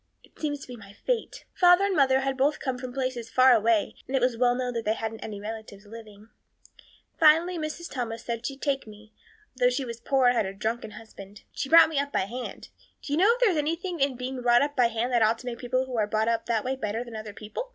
It seems to be my fate. Father and mother had both come from places far away and it was well known they hadn't any relatives living. Finally Mrs. Thomas said she'd take me, though she was poor and had a drunken husband. She brought me up by hand. Do you know if there is anything in being brought up by hand that ought to make people who are brought up that way better than other people?